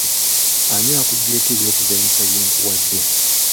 Ani akuggyeeko ebyokuzannyisa bye nkuwadde?